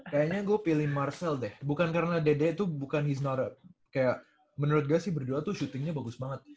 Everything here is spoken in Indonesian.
kayaknya gua pilih marcel deh bukan karena dede tuh bukan he s not a kayak menurut gua sih berdua tuh shootingnya bagus banget